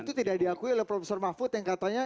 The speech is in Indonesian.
itu tidak diakui oleh prof mahfud yang katanya